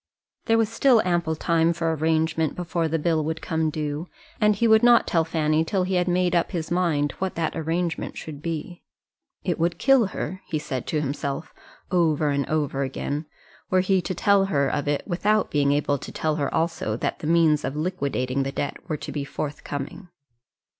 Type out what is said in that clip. There was still ample time for arrangement before the bill would come due, and he would not tell Fanny till he had made up his mind what that arrangement would be. It would kill her, he said to himself over and over again, were he to tell her of it without being able to tell her also that the means of liquidating the debt were to be forthcoming.